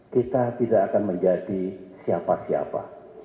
kita tidak akan menjadi siapa siapa